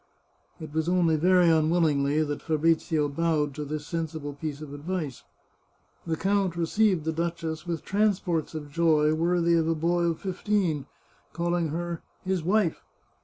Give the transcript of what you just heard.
It was only very unwillingly that Fabrizio bowed to this sensible piece of advice. The count received the duchess with transports of joy worthy of a boy of fifteen, calling her " his wife."